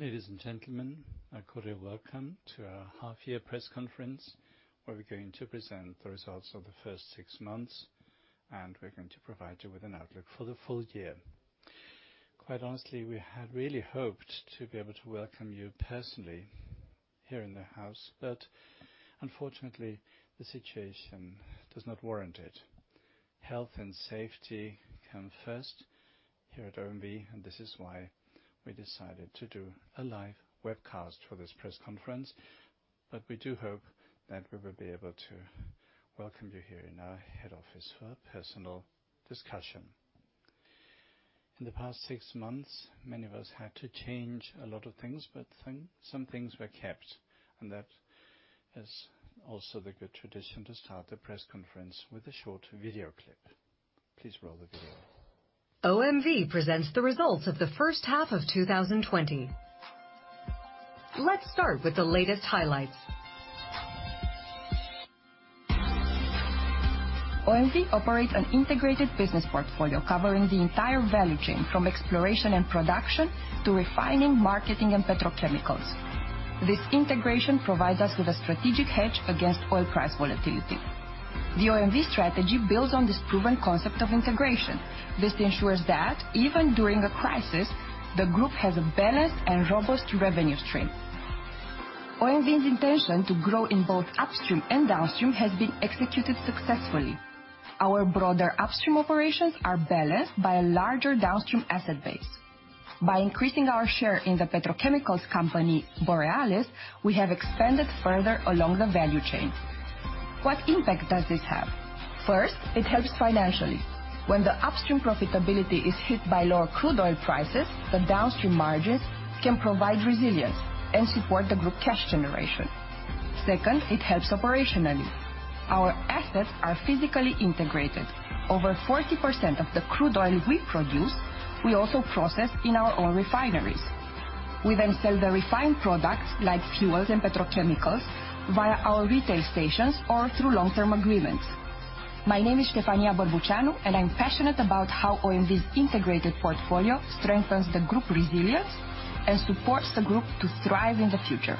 Ladies and gentlemen, a cordial welcome to our half-year press conference, where we're going to present the results of the first six months, and we're going to provide you with an outlook for the full year. Quite honestly, we had really hoped to be able to welcome you personally here in the house, but unfortunately, the situation does not warrant it. Health and safety come first here at OMV, and this is why we decided to do a live webcast for this press conference. We do hope that we will be able to welcome you here in our head office for a personal discussion. In the past six months, many of us had to change a lot of things, but some things were kept, and that is also the good tradition to start the press conference with a short video clip. Please roll the video. OMV presents the results of the first half of 2020. Let's start with the latest highlights. OMV operates an integrated business portfolio covering the entire value chain, from exploration and production, to refining, marketing, and petrochemicals. This integration provides us with a strategic hedge against oil price volatility. The OMV strategy builds on this proven concept of integration. This ensures that even during a crisis, the group has a balanced and robust revenue stream. OMV's intention to grow in both upstream and downstream has been executed successfully. Our broader upstream operations are balanced by a larger downstream asset base. By increasing our share in the petrochemicals company, Borealis, we have expanded further along the value chain. What impact does this have? First, it helps financially. When the upstream profitability is hit by lower crude oil prices, the downstream margins can provide resilience and support the group cash generation. Second, it helps operationally. Our assets are physically integrated. Over 40% of the crude oil we produce, we also process in our own refineries. We sell the refined products like fuels and petrochemicals via our retail stations or through long-term agreements. My name is Stefania Barbuceanu. I'm passionate about how OMV's integrated portfolio strengthens the group resilience and supports the group to thrive in the future.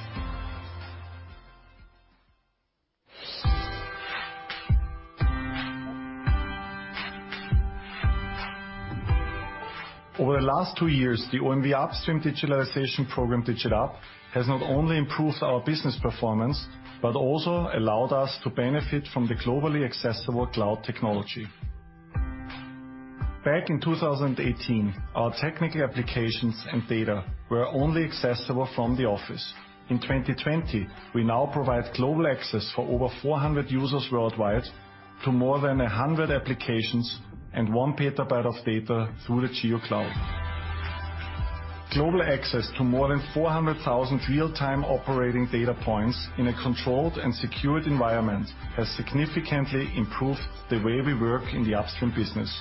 Over the last two years, the OMV Upstream digitalization program, DigitUP, has not only improved our business performance but also allowed us to benefit from the globally accessible cloud technology. Back in 2018, our technical applications and data were only accessible from the office. In 2020, we now provide global access for over 400 users worldwide to more than 100 applications and 1 PB of data through the GeoCloud. Global access to more than 400,000 real-time operating data points in a controlled and secured environment has significantly improved the way we work in the Upstream business.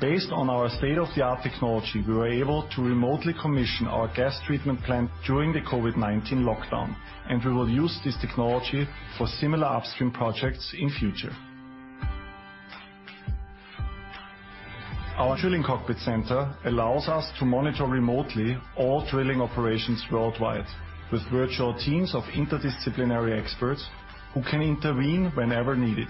Based on our state-of-the-art technology, we were able to remotely commission our gas treatment plant during the COVID-19 lockdown, and we will use this technology for similar upstream projects in future. Our Drilling Cockpit Center allows us to monitor remotely all drilling operations worldwide with virtual teams of interdisciplinary experts who can intervene whenever needed.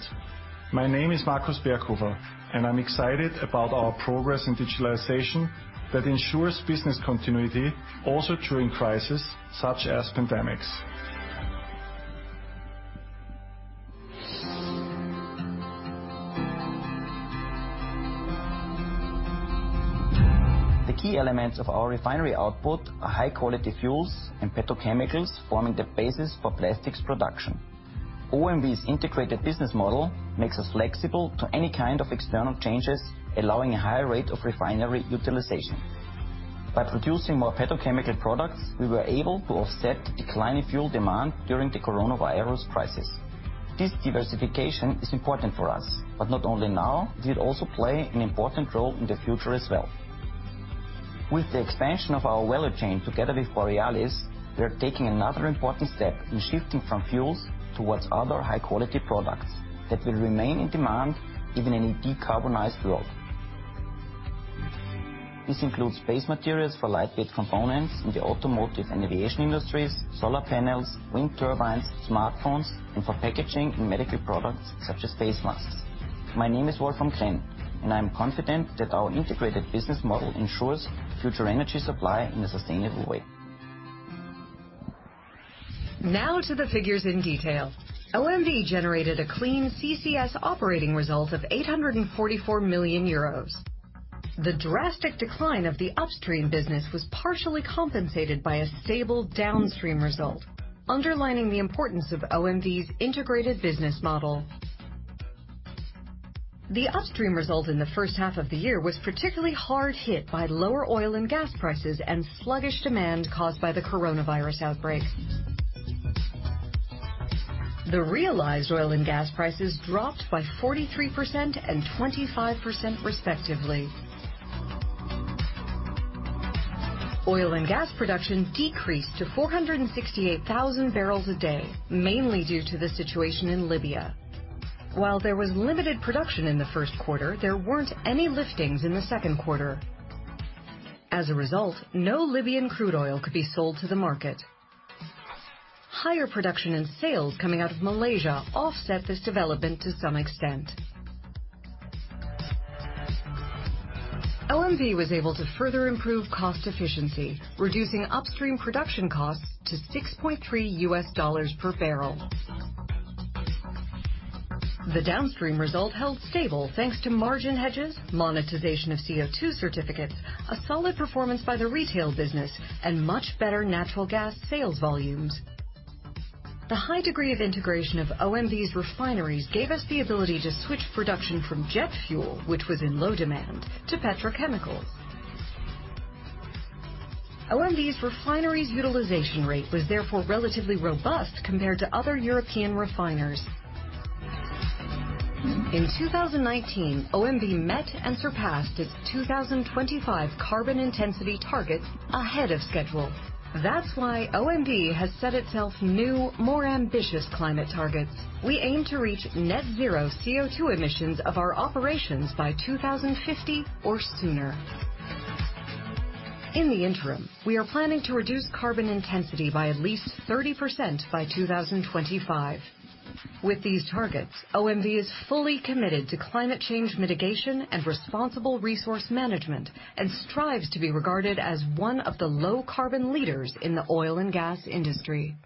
My name is Markus Berghofer, and I'm excited about our progress in digitalization that ensures business continuity also during crisis such as pandemics. The key elements of our refinery output are high-quality fuels and petrochemicals, forming the basis for plastics production. OMV's integrated business model makes us flexible to any kind of external changes, allowing a higher rate of refinery utilization. By producing more petrochemical products, we were able to offset declining fuel demand during the coronavirus crisis. This diversification is important for us, but not only now, it will also play an important role in the future as well. With the expansion of our value chain together with Borealis, we are taking another important step in shifting from fuels towards other high-quality products that will remain in demand even in a decarbonized world. This includes base materials for lightweight components in the automotive and aviation industries, solar panels, wind turbines, smartphones, and for packaging and medical products such as face masks. My name is Wolfram Krenn, and I am confident that our integrated business model ensures future energy supply in a sustainable way. Now to the figures in detail. OMV generated a clean CCS operating result of 844 million euros. The drastic decline of the upstream business was partially compensated by a stable downstream result, underlining the importance of OMV's integrated business model. The upstream result in the first half of the year was particularly hard hit by lower oil and gas prices and sluggish demand caused by the coronavirus outbreak. The realized oil and gas prices dropped by 43% and 25% respectively. Oil and gas production decreased to 468,000 barrels a day, mainly due to the situation in Libya. While there was limited production in the first quarter, there weren't any liftings in the second quarter. As a result, no Libyan crude oil could be sold to the market. Higher production and sales coming out of Malaysia offset this development to some extent. OMV was able to further improve cost efficiency, reducing upstream production costs to $6.3 per barrel. The downstream result held stable, thanks to margin hedges, monetization of CO2 certificates, a solid performance by the retail business, and much better natural gas sales volumes. The high degree of integration of OMV's refineries gave us the ability to switch production from jet fuel, which was in low demand, to petrochemicals. OMV's refineries utilization rate was therefore relatively robust compared to other European refiners. In 2019, OMV met and surpassed its 2025 carbon intensity targets ahead of schedule. That's why OMV has set itself new, more ambitious climate targets. We aim to reach net zero CO2 emissions of our operations by 2050 or sooner. In the interim, we are planning to reduce carbon intensity by at least 30% by 2025. With these targets, OMV is fully committed to climate change mitigation and responsible resource management, and strives to be regarded as one of the low-carbon leaders in the oil and gas industry.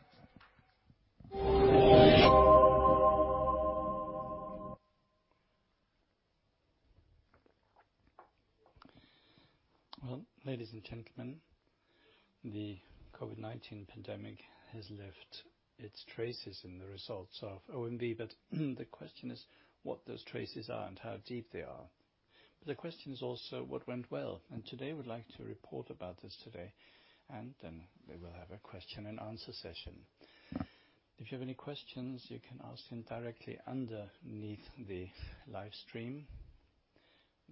Well, ladies and gentlemen, the COVID-19 pandemic has left its traces in the results of OMV, but the question is what those traces are and how deep they are. The question is also what went well, and today we'd like to report about this today, and then we will have a question and answer session. If you have any questions, you can ask them directly underneath the live stream.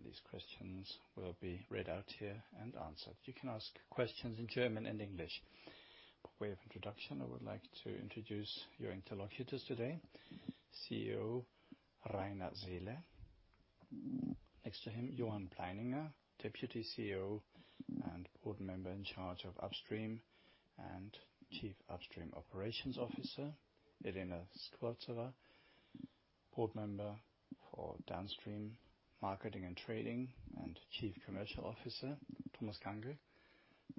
These questions will be read out here and answered. You can ask questions in German and English. By way of introduction, I would like to introduce your interlocutors today. CEO Rainer Seele. Next to him, Johann Pleininger, Deputy CEO and Board member in charge of Upstream, and Chief Upstream Operations Officer. Elena Skvortsova, Board member for Downstream Marketing and Trading and Chief Commercial Officer. Thomas Gangl,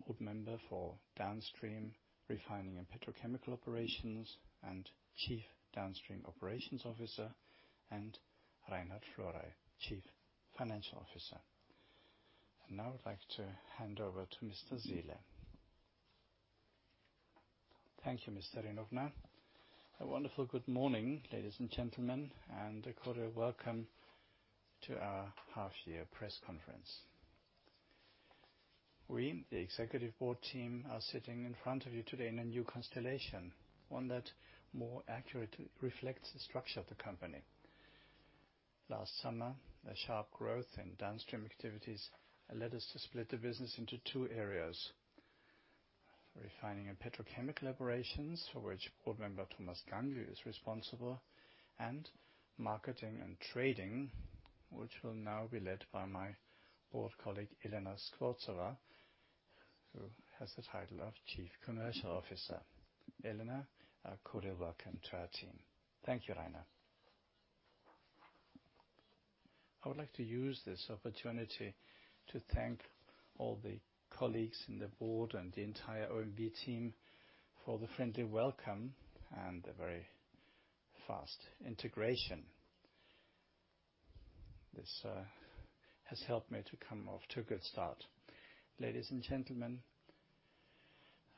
Board member for Downstream Refining and Petrochemical Operations and Chief Downstream Operations Officer. Reinhard Florey, Chief Financial Officer. Now I'd like to hand over to Mr. Seele. Thank you, Mr. Rinofner. A wonderful good morning, ladies and gentlemen, and a cordial welcome to our half-year press conference. We, the Executive Board team, are sitting in front of you today in a new constellation, one that more accurately reflects the structure of the company. Last summer, the sharp growth in downstream activities led us to split the business into two areas. Refining and petrochemical operations, for which Board member Thomas Gangl is responsible, and marketing and trading, which will now be led by my Board colleague, Elena Skvortsova, who has the title of Chief Commercial Officer. Elena, a cordial welcome to our team. Thank you, Rainer. I would like to use this opportunity to thank all the colleagues in the board and the entire OMV team for the friendly welcome and the very fast integration. This has helped me to come off to a good start. Ladies and gentlemen,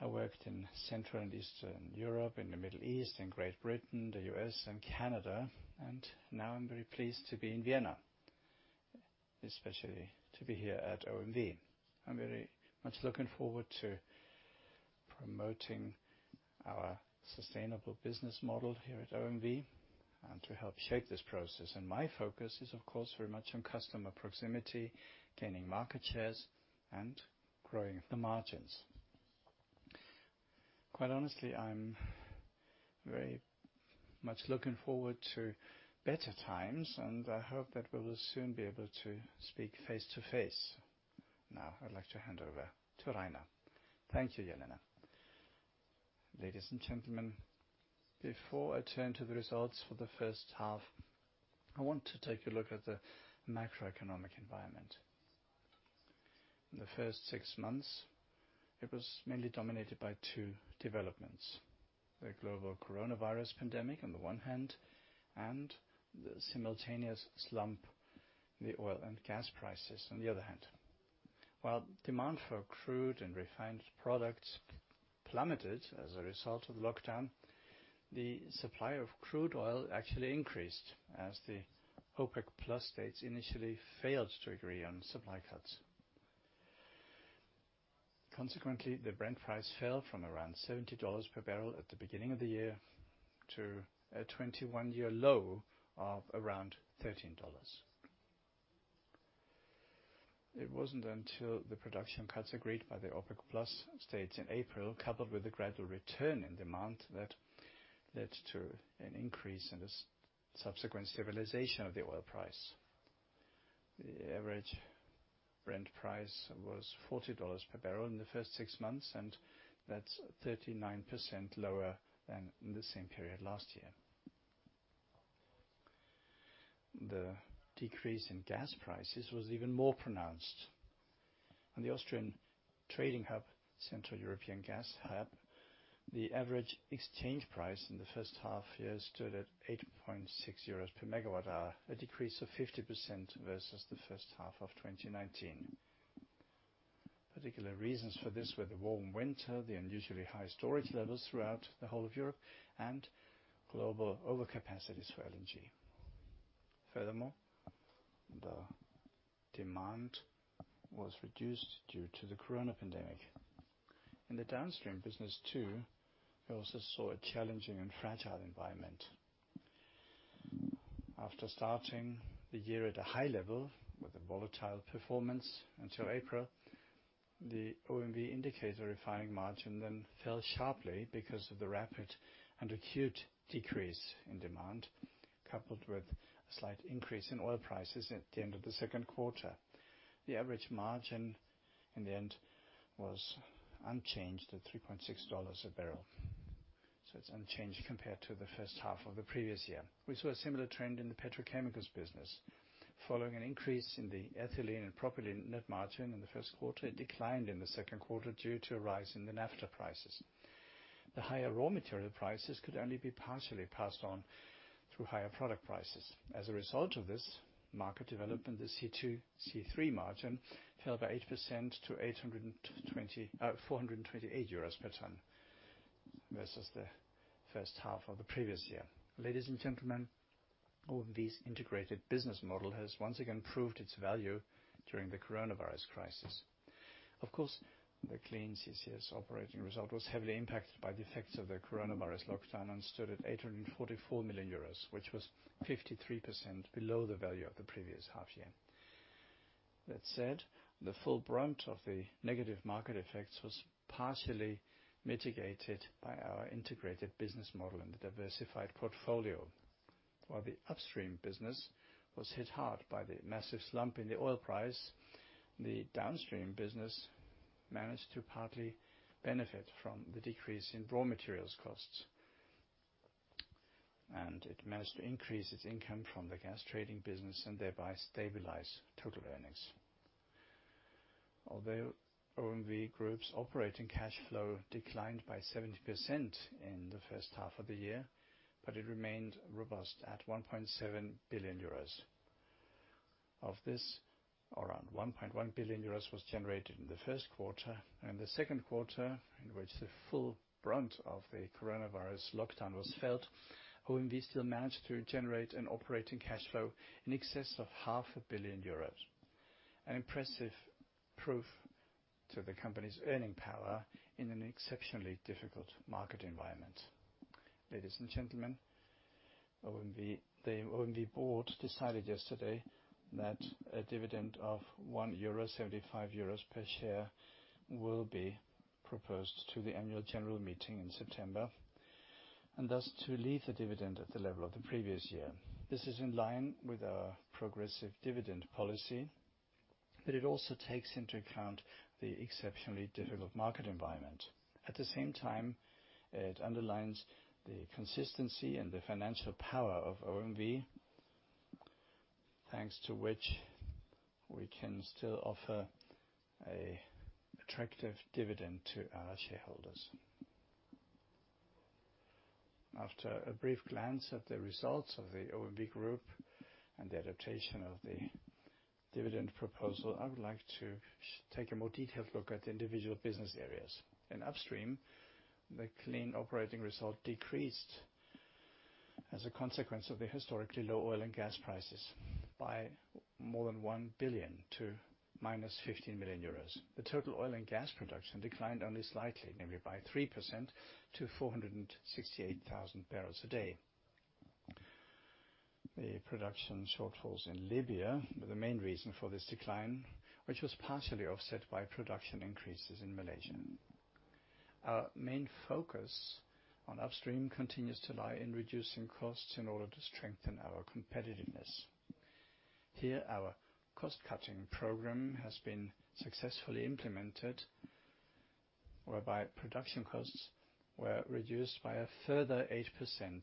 I worked in Central and Eastern Europe, in the Middle East, in Great Britain, the U.S., and Canada, and now I'm very pleased to be in Vienna, especially to be here at OMV. I'm very much looking forward to promoting our sustainable business model here at OMV and to help shape this process. My focus is, of course, very much on customer proximity, gaining market shares, and growing the margins. Quite honestly, I'm very much looking forward to better times, and I hope that we will soon be able to speak face-to-face. Now, I'd like to hand over to Rainer. Thank you, Elena. Ladies and gentlemen, before I turn to the results for the first half, I want to take a look at the macroeconomic environment. In the first six months, it was mainly dominated by two developments, the global coronavirus pandemic on the one hand, and the simultaneous slump in the oil and gas prices on the other hand. While demand for crude and refined products plummeted as a result of the lockdown, the supply of crude oil actually increased as the OPEC+ states initially failed to agree on supply cuts. Consequently, the Brent price fell from around $70 per barrel at the beginning of the year to a 21-year low of around $13. It wasn't until the production cuts agreed by the OPEC+ states in April, coupled with the gradual return in demand, that led to an increase in the subsequent stabilization of the oil price. The average Brent price was $40 per barrel in the first six months. That's 39% lower than the same period last year. The decrease in gas prices was even more pronounced. On the Austrian trading hub, Central European Gas Hub, the average exchange price in the first half-year stood at 8.6 euros per MWh, a decrease of 50% versus the first half of 2019. Particular reasons for this were the warm winter, the unusually high storage levels throughout the whole of Europe. Global overcapacity for LNG. Furthermore, the demand was reduced due to the coronavirus pandemic. In the downstream business, too, we also saw a challenging and fragile environment. After starting the year at a high level with a volatile performance until April, the OMV refining indicator margin then fell sharply because of the rapid and acute decrease in demand, coupled with a slight increase in oil prices at the end of the second quarter. The average margin in the end was unchanged at $3.60 a barrel, so it's unchanged compared to the first half of the previous year. We saw a similar trend in the petrochemicals business. Following an increase in the ethylene and propylene net margin in the first quarter, it declined in the second quarter due to a rise in the naphtha prices. The higher raw material prices could only be partially passed on through higher product prices. As a result of this market development, the C2 C3 margin fell by 8% to 428 euros per ton, versus the first half of the previous year. Ladies and gentlemen, OMV's integrated business model has once again proved its value during the coronavirus crisis. Of course, the Clean CCS operating result was heavily impacted by the effects of the coronavirus lockdown and stood at 844 million euros, which was 53% below the value of the previous half year. That said, the full brunt of the negative market effects was partially mitigated by our integrated business model and the diversified portfolio, while the upstream business was hit hard by the massive slump in the oil price. The downstream business managed to partly benefit from the decrease in raw materials costs, and it managed to increase its income from the gas trading business and thereby stabilize total earnings. Although OMV Group's operating cash flow declined by 70% in the first half of the year, but it remained robust at 1.7 billion euros. Of this, around 1.1 billion euros was generated in the first quarter. In the second quarter, in which the full brunt of the coronavirus lockdown was felt, OMV still managed to generate an operating cash flow in excess of 500 million euros. An impressive proof to the company's earning power in an exceptionally difficult market environment. Ladies and gentlemen, the OMV Board decided yesterday that a dividend of 1.75 euro per share will be proposed to the annual general meeting in September, and thus to leave the dividend at the level of the previous year. This is in line with our progressive dividend policy, but it also takes into account the exceptionally difficult market environment. At the same time, it underlines the consistency and the financial power of OMV, thanks to which we can still offer an attractive dividend to our shareholders. After a brief glance at the results of the OMV Group and the adaptation of the dividend proposal, I would like to take a more detailed look at the individual business areas. In Upstream, the clean operating result decreased as a consequence of the historically low oil and gas prices by more than 1 billion to -15 million euros. The total oil and gas production declined only slightly, namely by 3% to 468,000 barrels a day. The production shortfalls in Libya were the main reason for this decline, which was partially offset by production increases in Malaysia. Our main focus on Upstream continues to lie in reducing costs in order to strengthen our competitiveness. Here, our cost-cutting program has been successfully implemented, whereby production costs were reduced by a further 8%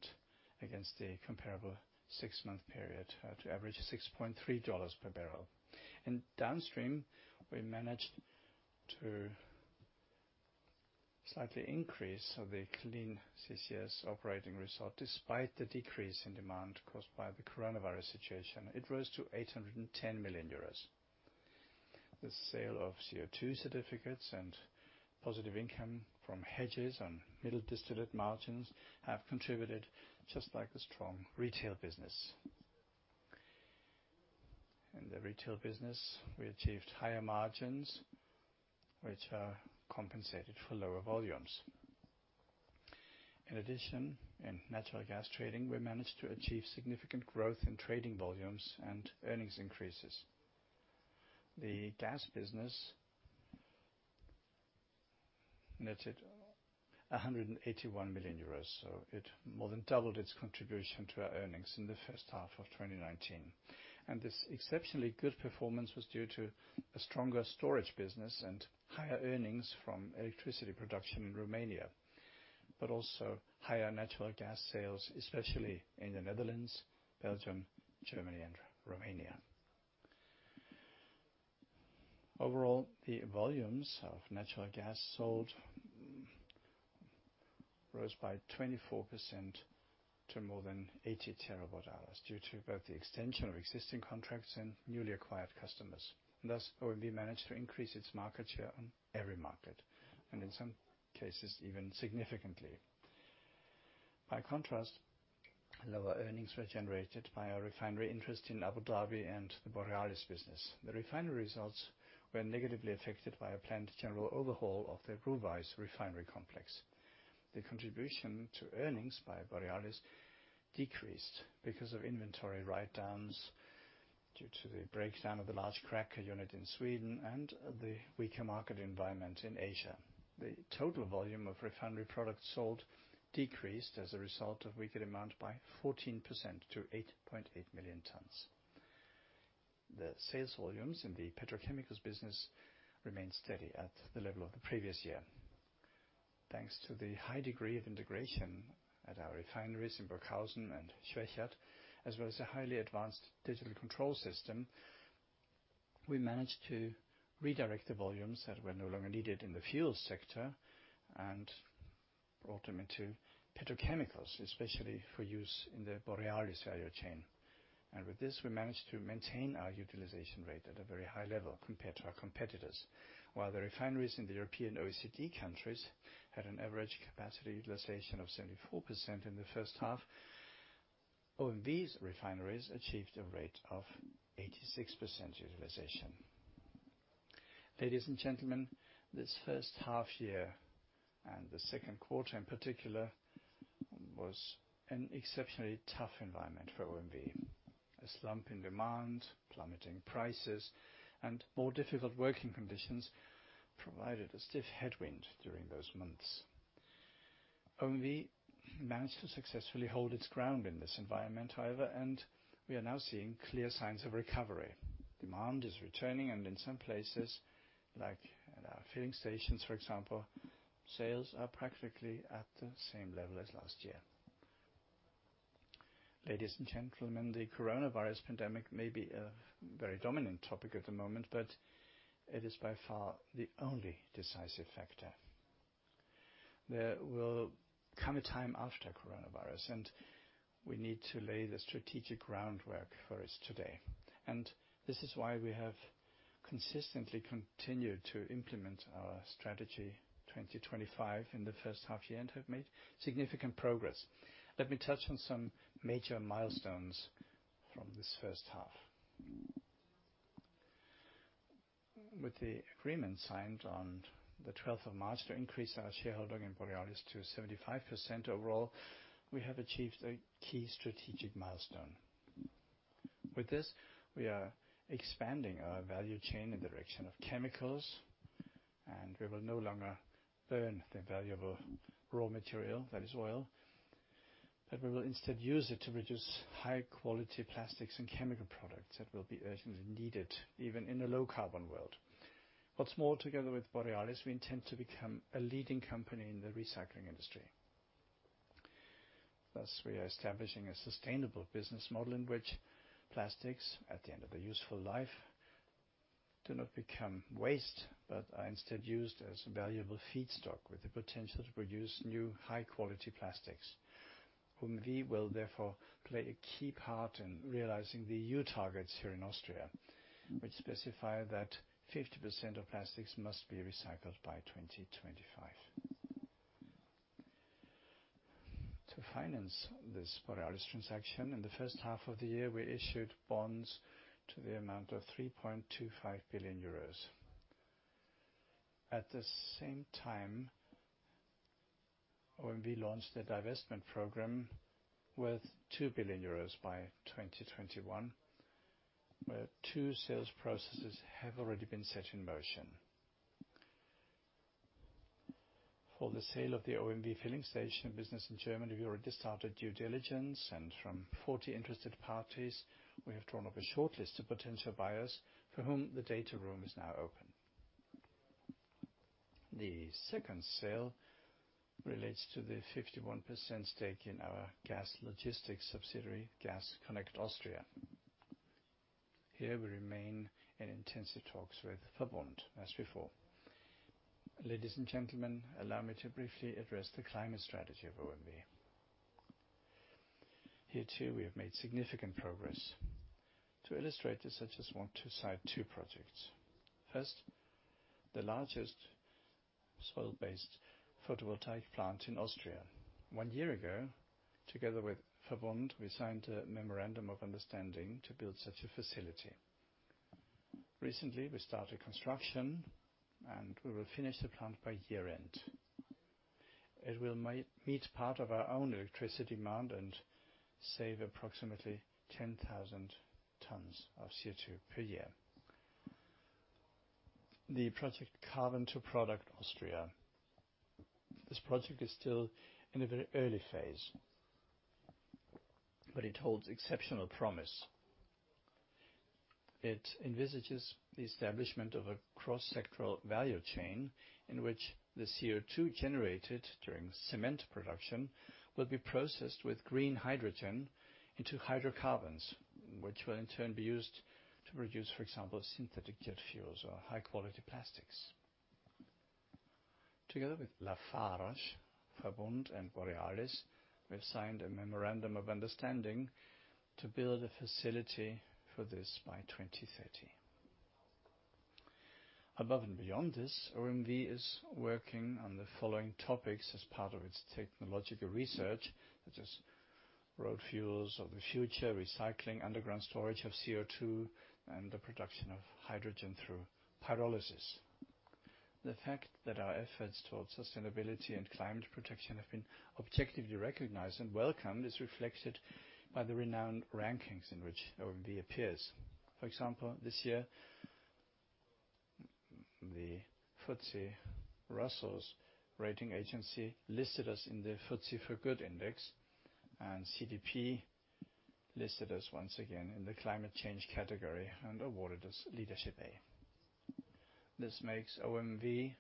against the comparable six-month period to average $6.30 per barrel. In downstream, we managed to slightly increase the clean CCS operating result, despite the decrease in demand caused by the coronavirus situation. It rose to 810 million euros. The sale of CO2 certificates and positive income from hedges on middle distillate margins have contributed just like the strong retail business. In the retail business, we achieved higher margins, which are compensated for lower volumes. In natural gas trading, we managed to achieve significant growth in trading volumes and earnings increases. The gas business netted 181 million euros, so it more than doubled its contribution to our earnings in the first half of 2019. This exceptionally good performance was due to a stronger storage business and higher earnings from electricity production in Romania, but also higher natural gas sales, especially in the Netherlands, Belgium, Germany, and Romania. Overall, the volumes of natural gas sold rose by 24% to more than 80 TWh, due to both the extension of existing contracts and newly acquired customers. Thus, OMV managed to increase its market share in every market, and in some cases, even significantly. By contrast, lower earnings were generated by our refinery interest in Abu Dhabi and the Borealis business. The refinery results were negatively affected by a planned general overhaul of the Ruwais refinery complex. The contribution to earnings by Borealis decreased because of inventory writedowns due to the breakdown of the large cracker unit in Sweden and the weaker market environment in Asia. The total volume of refinery products sold decreased as a result of weaker demand by 14% to 8.8 million tons. The sales volumes in the petrochemicals business remained steady at the level of the previous year. Thanks to the high degree of integration at our refineries in Burghausen and Schwechat, as well as a highly advanced digital control system, we managed to redirect the volumes that were no longer needed in the fuel sector and brought them into petrochemicals, especially for use in the Borealis value chain. With this, we managed to maintain our utilization rate at a very high level compared to our competitors. While the refineries in the European OECD countries had an average capacity utilization of 74% in the first half, OMV's refineries achieved a rate of 86% utilization. Ladies and gentlemen, this first half year, and the second quarter in particular, was an exceptionally tough environment for OMV. A slump in demand, plummeting prices, and more difficult working conditions provided a stiff headwind during those months. OMV managed to successfully hold its ground in this environment, however, and we are now seeing clear signs of recovery. Demand is returning, and in some places, like at our filling stations, for example, sales are practically at the same level as last year. Ladies and gentlemen, the coronavirus pandemic may be a very dominant topic at the moment, but it is by far not the only decisive factor. There will come a time after coronavirus, and we need to lay the strategic groundwork for it today. This is why we have consistently continued to implement our Strategy 2025 in the first half-year and have made significant progress. Let me touch on some major milestones from this first half. With the agreement signed on the 12th of March to increase our shareholding in Borealis to 75% overall, we have achieved a key strategic milestone. With this, we are expanding our value chain in the direction of chemicals, and we will no longer burn the valuable raw material that is oil. We will instead use it to produce high-quality plastics and chemical products that will be urgently needed even in a low-carbon world. What's more, together with Borealis, we intend to become a leading company in the recycling industry. We are establishing a sustainable business model in which plastics at the end of a useful life do not become waste, but are instead used as valuable feedstock with the potential to produce new high-quality plastics. OMV will therefore play a key part in realizing the EU targets here in Austria, which specify that 50% of plastics must be recycled by 2025. To finance this Borealis transaction, in the first half of the year, we issued bonds to the amount of 3.25 billion euros. At the same time, OMV launched a divestment program worth 2 billion euros by 2021, where two sales processes have already been set in motion. For the sale of the OMV filling station business in Germany, we already started due diligence, and from 40 interested parties, we have drawn up a shortlist of potential buyers for whom the data room is now open. The second sale relates to the 51% stake in our gas logistics subsidiary, Gas Connect Austria. Here, we remain in intensive talks with VERBUND as before. Ladies and gentlemen, allow me to briefly address the climate strategy of OMV. Here, too, we have made significant progress. To illustrate this, I just want to cite two projects. First, the largest soil-based photovoltaic plant in Austria. One year ago, together with VERBUND, we signed a memorandum of understanding to build such a facility. Recently, we started construction and we will finish the plant by year-end. It will meet part of our own electricity demand and save approximately 10,000 tons of CO2 per year. The project Carbon2Product Austria. This project is still in a very early phase, but it holds exceptional promise. It envisages the establishment of a cross-sectoral value chain in which the CO2 generated during cement production will be processed with green hydrogen into hydrocarbons, which will in turn be used to produce, for example, synthetic jet fuels or high-quality plastics. Together with Lafarge, VERBUND, and Borealis, we have signed a memorandum of understanding to build a facility for this by 2030. Above and beyond this, OMV is working on the following topics as part of its technological research, such as road fuels of the future, recycling, underground storage of CO2, and the production of hydrogen through pyrolysis. The fact that our efforts towards sustainability and climate protection have been objectively recognized and welcomed is reflected by the renowned rankings in which OMV appears. For example, this year, the FTSE Russell rating agency listed us in the FTSE4Good index, and CDP listed us once again in the climate change category and awarded us Leadership A-. This makes OMV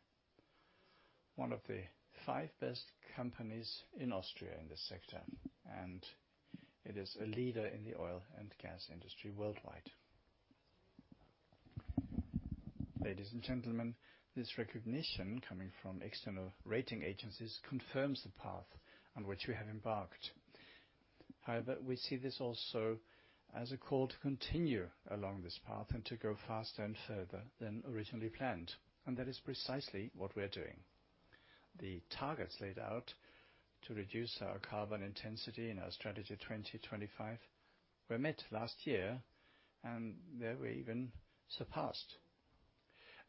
one of the five best companies in Austria in this sector, and it is a leader in the oil and gas industry worldwide. Ladies and gentlemen, this recognition coming from external rating agencies confirms the path on which we have embarked. We see this also as a call to continue along this path and to go faster and further than originally planned, and that is precisely what we are doing. The targets laid out to reduce our carbon intensity in our Strategy 2025 were met last year, and they were even surpassed.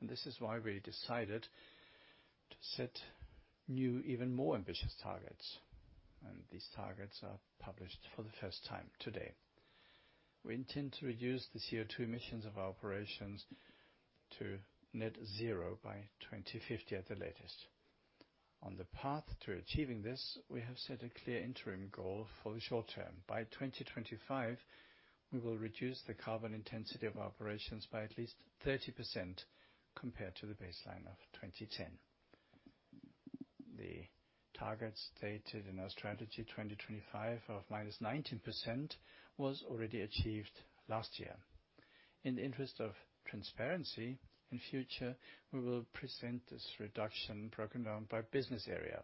This is why we decided to set new, even more ambitious targets, and these targets are published for the first time today. We intend to reduce the CO2 emissions of our operations to net zero by 2050 at the latest. On the path to achieving this, we have set a clear interim goal for the short term. By 2025, we will reduce the carbon intensity of our operations by at least 30% compared to the baseline of 2010. The target stated in our Strategy 2025 of minus 19% was already achieved last year. In the interest of transparency, in future, we will present this reduction broken down by business area.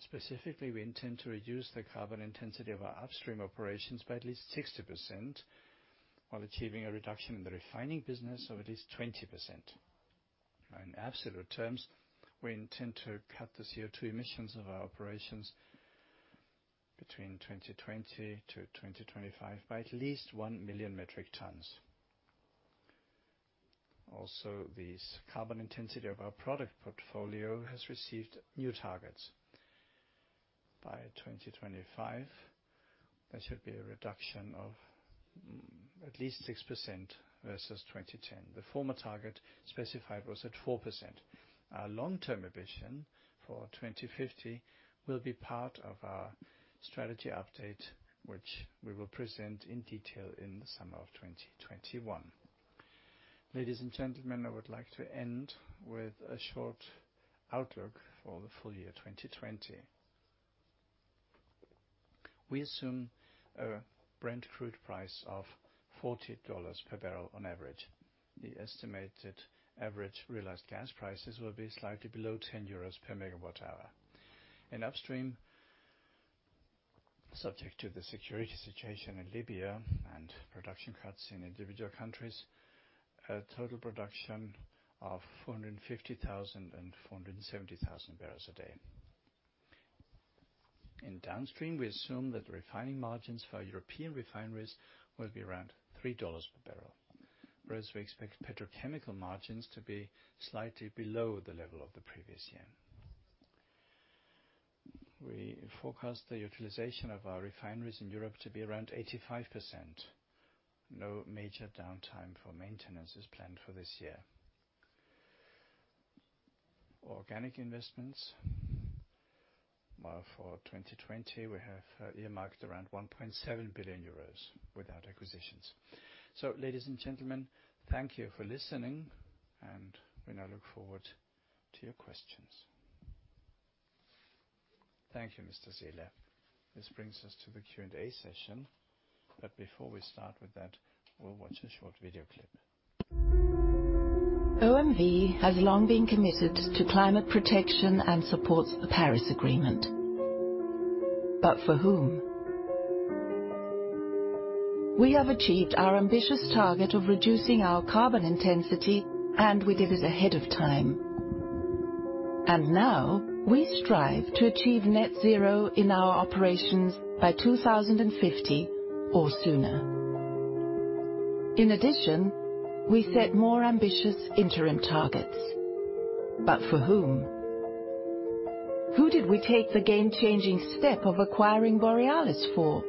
Specifically, we intend to reduce the carbon intensity of our Upstream operations by at least 60% while achieving a reduction in the refining business of at least 20%. In absolute terms, we intend to cut the CO2 emissions of our operations between 2020 to 2025 by at least 1 million metric tons. This carbon intensity of our product portfolio has received new targets. By 2025, there should be a reduction of at least 6% versus 2010. The former target specified was at 4%. Our long-term ambition for 2050 will be part of our strategy update, which we will present in detail in the summer of 2021. Ladies and gentlemen, I would like to end with a short outlook for the full year 2020. We assume a Brent crude price of $40 per barrel on average. The estimated average realized gas prices will be slightly below 10 euros per MWh. In upstream, subject to the security situation in Libya and production cuts in individual countries, a total production of 450,000 barrels and 470,000 barrels a day. In downstream, we assume that the refining margins for European refineries will be around $3 per barrel. Whereas we expect petrochemical margins to be slightly below the level of the previous year. We forecast the utilization of our refineries in Europe to be around 85%. No major downtime for maintenance is planned for this year. Organic investments for 2020, we have earmarked around 1.7 billion euros without acquisitions. Ladies and gentlemen, thank you for listening, and we now look forward to your questions. Thank you, Mr. Seele. This brings us to the Q&A session. Before we start with that, we'll watch a short video clip. OMV has long been committed to climate protection and supports the Paris Agreement. For whom? We have achieved our ambitious target of reducing our carbon intensity, and we did it ahead of time. Now we strive to achieve net zero in our operations by 2050 or sooner. In addition, we set more ambitious interim targets. For whom? Who did we take the game-changing step of acquiring Borealis for?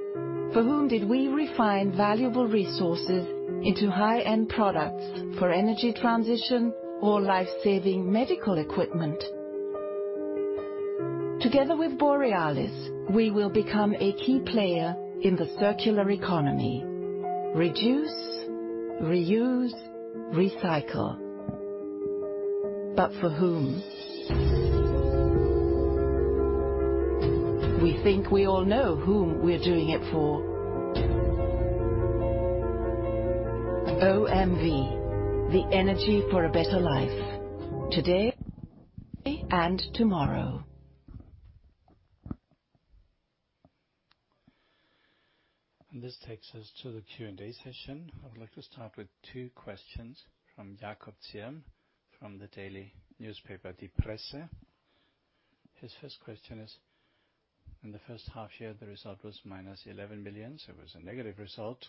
For whom did we refine valuable resources into high-end products for energy transition or life-saving medical equipment? Together with Borealis, we will become a key player in the circular economy. Reduce, reuse, recycle. For whom? We think we all know whom we're doing it for. OMV, the energy for a better life today and tomorrow. This takes us to the Q&A session. I would like to start with two questions from Jakob Zirm from the daily newspaper, DiePresse. His first question is, in the first half year the result was -11 million, so it was a negative result.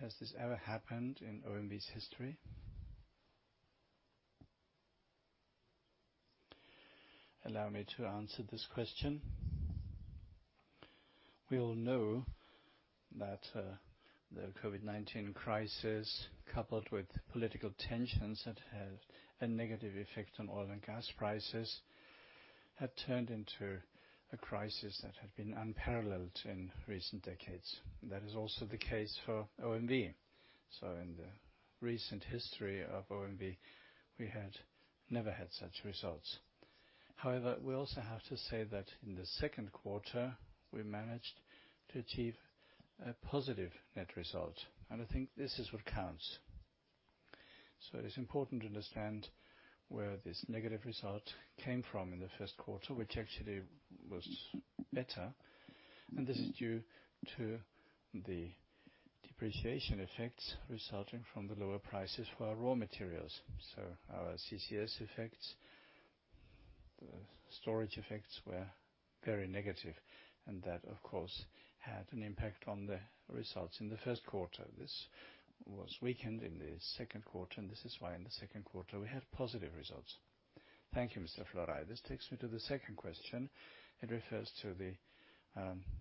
Has this ever happened in OMV's history? Allow me to answer this question. We all know that the COVID-19 crisis, coupled with political tensions that had a negative effect on oil and gas prices, had turned into a crisis that had been unparalleled in recent decades. That is also the case for OMV. In the recent history of OMV, we had never had such results. However, we also have to say that in the second quarter, we managed to achieve a positive net result, and I think this is what counts. It is important to understand where this negative result came from in the first quarter, which actually was better. This is due to the depreciation effects resulting from the lower prices for our raw materials. Our CCS effects, the storage effects were very negative, and that, of course, had an impact on the results in the first quarter. This was weakened in the second quarter, and this is why in the second quarter we had positive results. Thank you, Mr. Florey. This takes me to the second question. It refers to the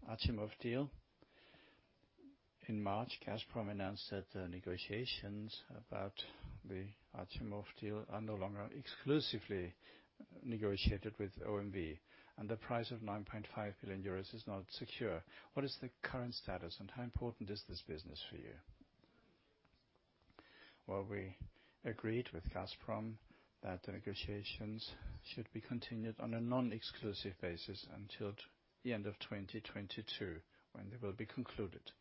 Achimov deal. In March, Gazprom announced that the negotiations about the Achimov deal are no longer exclusively negotiated with OMV, and the price of 9.5 billion euros is not secure. What is the current status, and how important is this business for you? Well, we agreed with Gazprom that the negotiations should be continued on a non-exclusive basis until the end of 2022, when they will be concluded.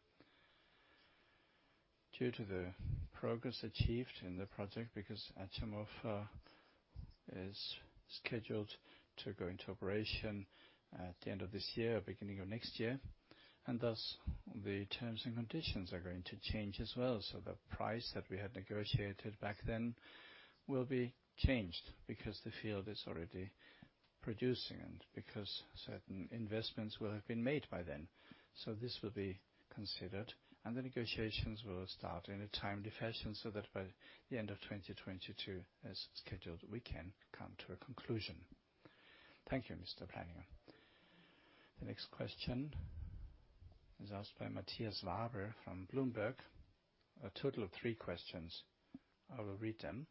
Due to the progress achieved in the project, because Achimov is scheduled to go into operation at the end of this year or beginning of next year, and thus the terms and conditions are going to change as well. The price that we had negotiated back then will be changed because the field is already producing and because certain investments will have been made by then. This will be considered, and the negotiations will start in a timely fashion so that by the end of 2022, as scheduled, we can come to a conclusion. Thank you, Mr. Pleininger. The next question is asked by Matthias Weber from Bloomberg, a total of three questions. I will read them.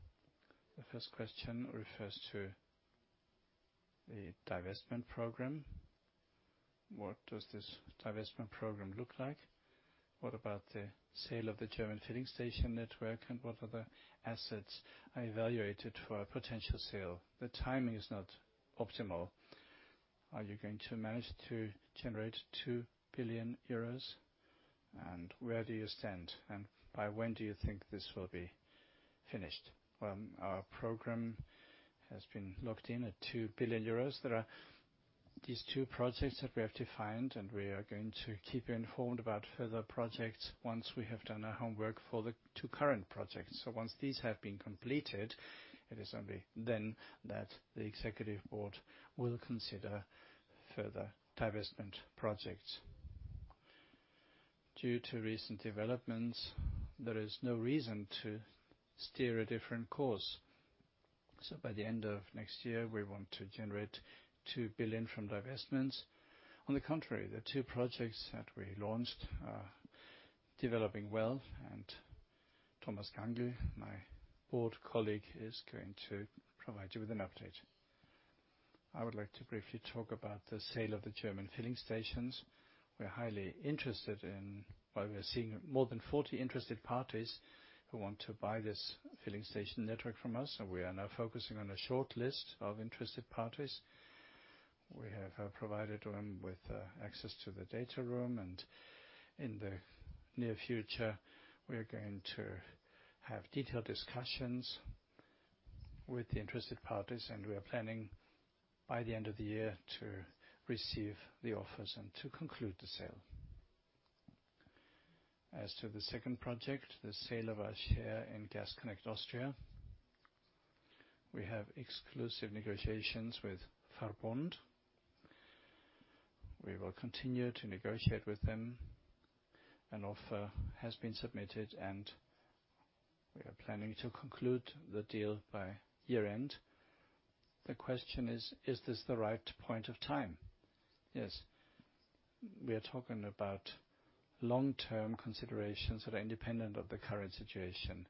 The first question refers to the divestment program. What does this divestment program look like? What about the sale of the German filling station network, what other assets are evaluated for a potential sale? The timing is not optimal. Are you going to manage to generate 2 billion euros? Where do you stand? By when do you think this will be finished? Well, our program has been locked in at 2 billion euros. There are these two projects that we have defined, and we are going to keep you informed about further projects once we have done our homework for the two current projects. Once these have been completed, it is only then that the executive board will consider further divestment projects. Due to recent developments, there is no reason to steer a different course. By the end of next year, we want to generate 2 billion from divestments. On the contrary, the two projects that we launched are developing well and Thomas Gangl, my Board colleague, is going to provide you with an update. I would like to briefly talk about the sale of the German filling stations. We're highly interested in why we are seeing more than 40 interested parties who want to buy this filling station network from us. We are now focusing on a short list of interested parties. We have provided them with access to the data room. In the near future, we're going to have detailed discussions with the interested parties. We are planning by the end of the year to receive the offers and to conclude the sale. As to the second project, the sale of our share in Gas Connect Austria. We have exclusive negotiations with VERBUND. We will continue to negotiate with them. An offer has been submitted, and we are planning to conclude the deal by year-end. The question is: Is this the right point of time? Yes. We are talking about long-term considerations that are independent of the current situation.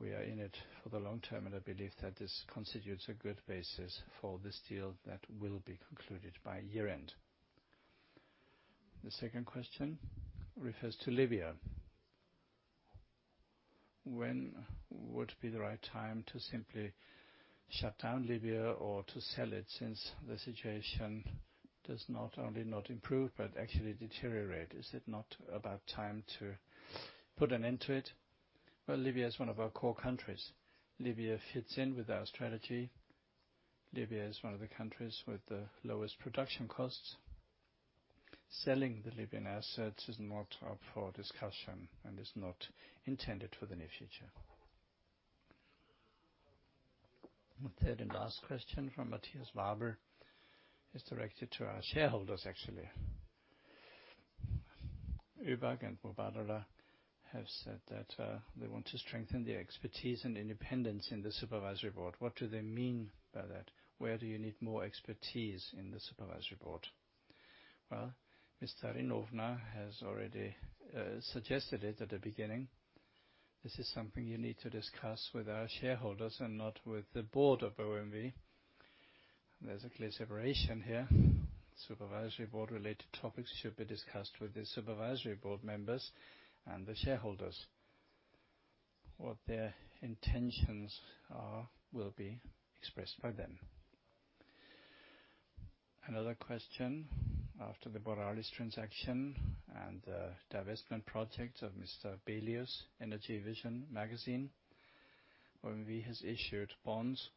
We are in it for the long term, and I believe that this constitutes a good basis for this deal that will be concluded by year-end. The second question refers to Libya. When would be the right time to simply shut down Libya or to sell it, since the situation does not only not improve, but actually deteriorate? Is it not about time to put an end to it? Well, Libya is one of our core countries. Libya fits in with our strategy. Libya is one of the countries with the lowest production costs. Selling the Libyan assets is not up for discussion and is not intended for the near future. The third and last question from Matthias Weber is directed to our shareholders, actually. ÖBAG and Mubadala have said that they want to strengthen their expertise and independence in the supervisory board. What do they mean by that? Where do you need more expertise in the supervisory board? Well, Mr. Rinofner has already suggested it at the beginning. This is something you need to discuss with our shareholders and not with the Board of OMV. There's a clear separation here. Supervisory Board-related topics should be discussed with the supervisory board members and the shareholders. What their intentions are will be expressed by them. Another question. After the Borealis transaction and the divestment project of Mr. Belius, Energy Vision magazine, OMV has issued bonds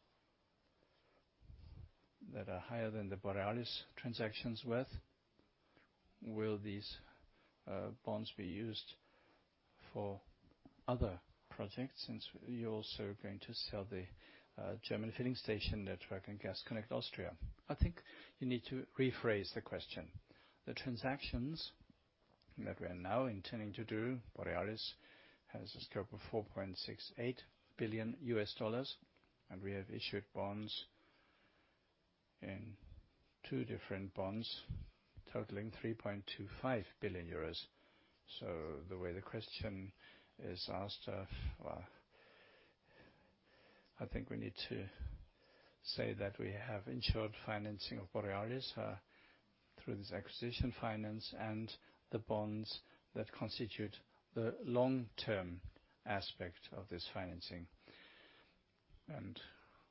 that are higher than the Borealis transaction's worth. Will these bonds be used for other projects, since you're also going to sell the German filling station network and Gas Connect Austria? I think you need to rephrase the question. The transactions that we are now intending to do, Borealis, has a scope of $4.68 billion, and we have issued bonds in two different bonds totaling 3.25 billion euros. The way the question is asked, I think we need to say that we have insured financing of Borealis through this acquisition finance and the bonds that constitute the long-term aspect of this financing.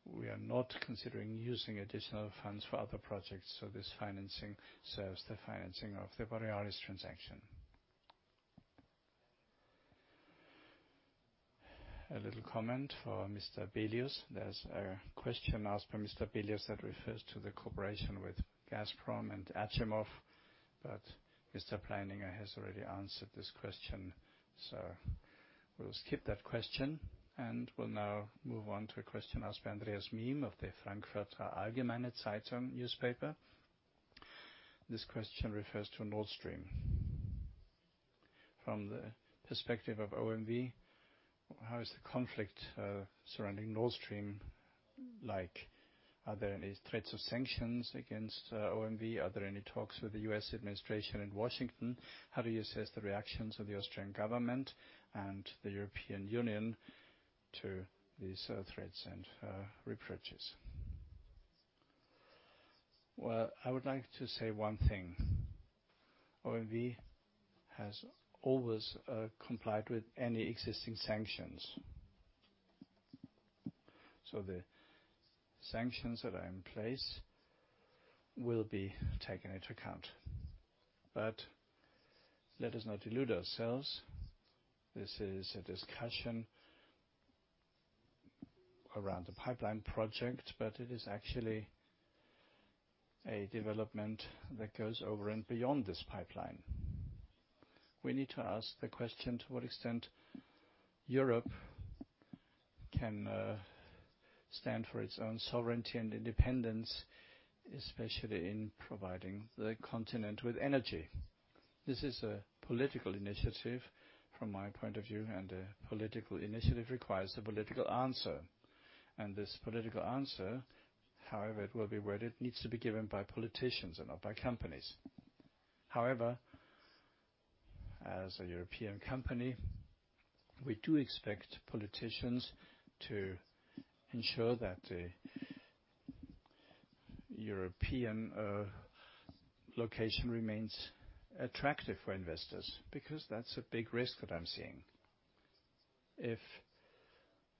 We are not considering using additional funds for other projects, this financing serves the financing of the Borealis transaction. A little comment for Mr. Belius. There's a question asked by Mr. Belius that refers to the cooperation with Gazprom and Achimov, but Mr. Pleininger has already answered this question. We'll skip that question, and we'll now move on to a question asked by Andreas Mihm of the Frankfurter Allgemeine Zeitung newspaper. This question refers to Nord Stream. From the perspective of OMV, how is the conflict surrounding Nord Stream like? Are there any threats of sanctions against OMV? Are there any talks with the U.S. administration in Washington? How do you assess the reactions of the Austrian government and the European Union to these threats and reproaches? Well, I would like to say one thing. OMV has always complied with any existing sanctions. The sanctions that are in place will be taken into account. Let us not delude ourselves. This is a discussion around the pipeline project, but it is actually a development that goes over and beyond this pipeline. We need to ask the question to what extent Europe can stand for its own sovereignty and independence, especially in providing the continent with energy. This is a political initiative from my point of view, and a political initiative requires a political answer. This political answer, however it will be worded, needs to be given by politicians and not by companies. However, as a European company, we do expect politicians to ensure that the European location remains attractive for investors, because that's a big risk that I'm seeing. If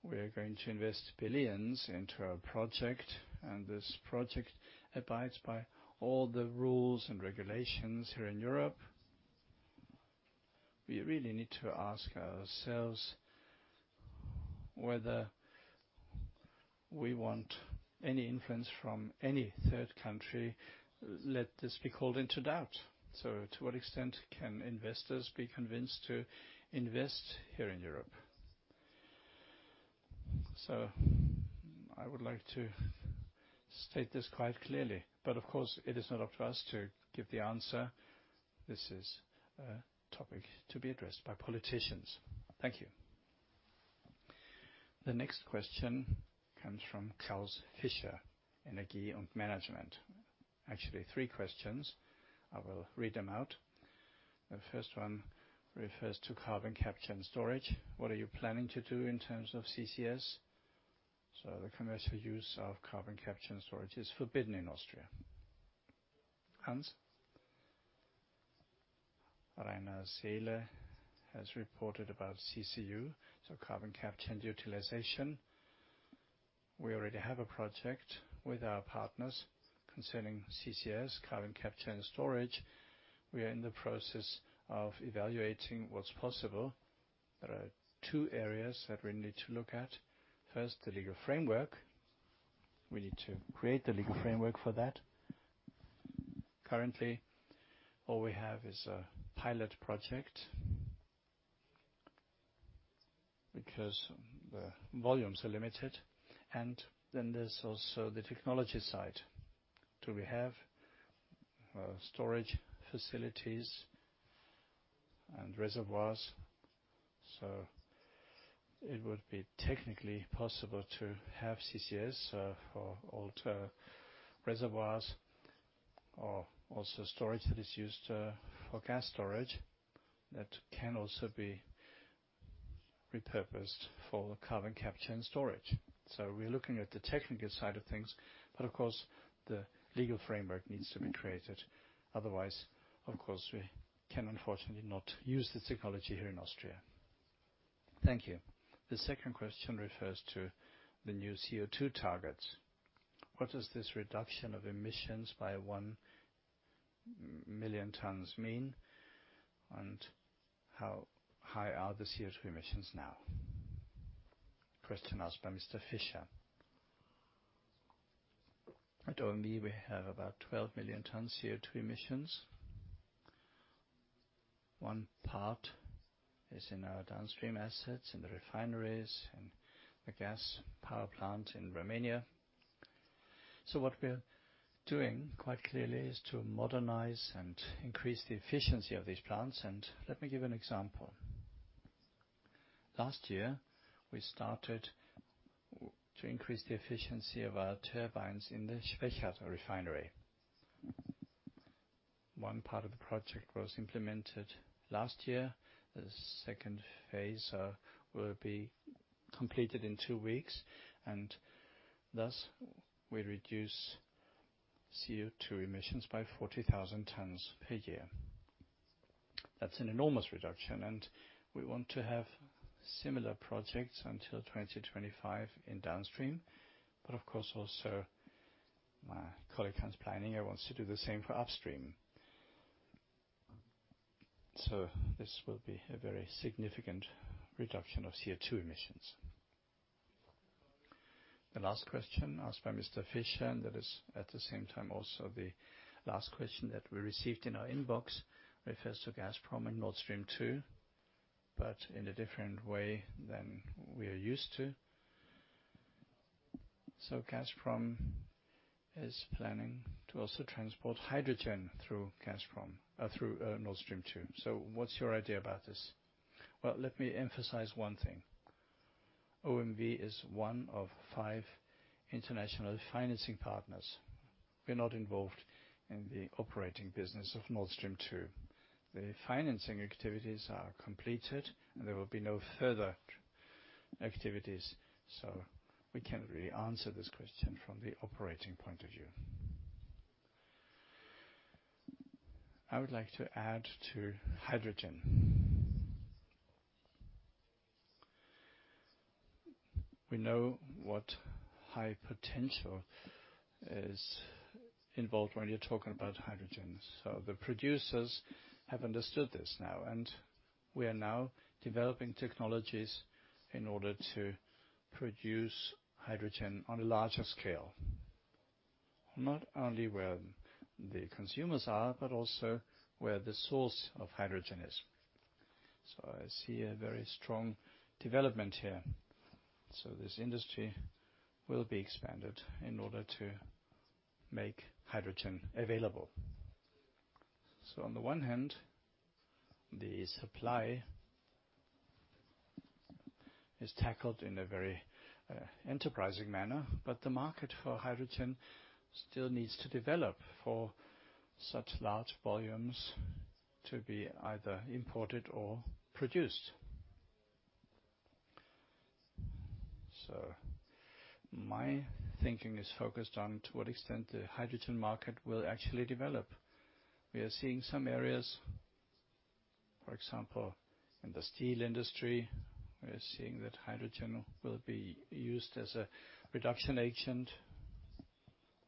we are going to invest billions into a project, and this project abides by all the rules and regulations here in Europe. We really need to ask ourselves whether we want any influence from any third country, let this be called into doubt. To what extent can investors be convinced to invest here in Europe? I would like to state this quite clearly, but of course, it is not up to us to give the answer. This is a topic to be addressed by politicians. Thank you. The next question comes from Klaus Fischer, Energie & Management. Actually, three questions. I will read them out. The first one refers to carbon capture and storage. What are you planning to do in terms of CCS? The commercial use of carbon capture and storage is forbidden in Austria. Hans? Rainer Seele has reported about CCU, carbon capture and utilization. We already have a project with our partners concerning CCS, carbon capture and storage. We are in the process of evaluating what's possible. There are two areas that we need to look at. First, the legal framework. We need to create the legal framework for that. Currently, all we have is a pilot project because the volumes are limited, and then there's also the technology side. Do we have storage facilities and reservoirs? It would be technically possible to have CCS for old reservoirs or also storage that is used for gas storage that can also be repurposed for carbon capture and storage. We're looking at the technical side of things, but of course, the legal framework needs to be created. Otherwise, of course, we can unfortunately not use the technology here in Austria. Thank you. The second question refers to the new CO2 targets. What does this reduction of emissions by 1 million tons mean? How high are the CO2 emissions now? Question asked by Mr. Fischer. At OMV, we have about 12 million tons CO2 emissions. One part is in our downstream assets, in the refineries, and the gas power plant in Romania. What we're doing, quite clearly, is to modernize and increase the efficiency of these plants, and let me give an example. Last year, we started to increase the efficiency of our turbines in the Schwechat refinery. One part of the project was implemented last year. The second phase will be completed in two weeks, and thus we reduce CO2 emissions by 40,000 tons per year. That's an enormous reduction, and we want to have similar projects until 2025 in downstream. Of course, also my colleague, Hans Pleininger, wants to do the same for Upstream. This will be a very significant reduction of CO2 emissions. The last question asked by Mr. Fischer, and that is at the same time also the last question that we received in our inbox, refers to Gazprom and Nord Stream 2, but in a different way than we are used to. Gazprom is planning to also transport hydrogen through Nord Stream 2. What's your idea about this? Well, let me emphasize one thing. OMV is one of five international financing partners. We're not involved in the operating business of Nord Stream 2. The financing activities are completed, and there will be no further activities. We can't really answer this question from the operating point of view. I would like to add to hydrogen. We know what high potential is involved when you're talking about hydrogen. The producers have understood this now, and we are now developing technologies in order to produce hydrogen on a larger scale, not only where the consumers are, but also where the source of hydrogen is. I see a very strong development here. This industry will be expanded in order to make hydrogen available. On the one hand, the supply is tackled in a very enterprising manner, but the market for hydrogen still needs to develop for such large volumes to be either imported or produced. My thinking is focused on to what extent the hydrogen market will actually develop. We are seeing some areas, for example, in the steel industry. We are seeing that hydrogen will be used as a reduction agent.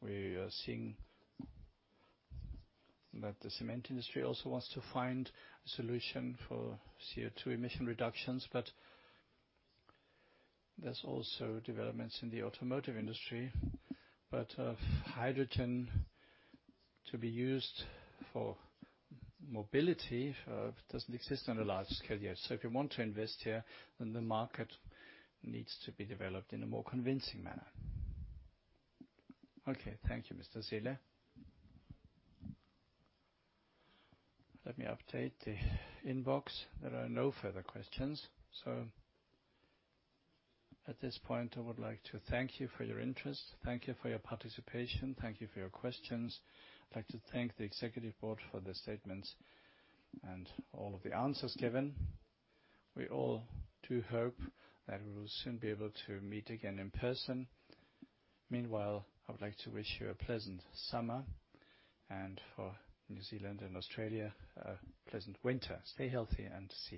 We are seeing that the cement industry also wants to find a solution for CO2 emission reductions, but there's also developments in the automotive industry. Hydrogen to be used for mobility doesn't exist on a large scale yet. If you want to invest here, then the market needs to be developed in a more convincing manner. Okay. Thank you, Mr. Seele. Let me update the inbox. There are no further questions. At this point, I would like to thank you for your interest. Thank you for your participation. Thank you for your questions. I'd like to thank the Executive Board for the statements and all of the answers given. We all do hope that we will soon be able to meet again in person. Meanwhile, I would like to wish you a pleasant summer, and for New Zealand and Australia, a pleasant winter. Stay healthy and see you soon.